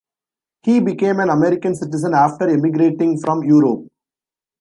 He became an American citizen after emigrating from Europe.